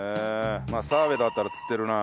まあ澤部だったら釣ってるな。